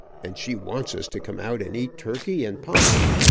And she wants us to come out and eat turkey and 'possum.